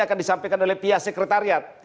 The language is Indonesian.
akan disampaikan oleh pihak sekretariat